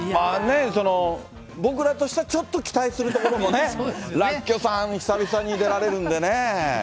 僕らとしては、ちょっと期待するところもね、らっきょさん、久々に出られるんでね。